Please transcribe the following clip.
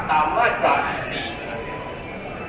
ตามราชาชีวิต